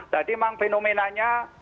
tadi memang fenomenanya